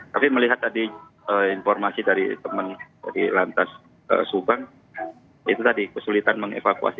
tapi melihat tadi informasi dari teman dari lantas subang itu tadi kesulitan mengevakuasi